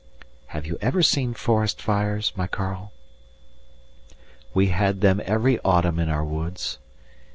Have you ever seen forest fires, my Karl? We had them every autumn in our woods.